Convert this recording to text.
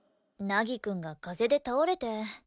凪くんが風邪で倒れて。